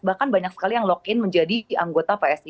bahkan banyak sekali yang login menjadi anggota psi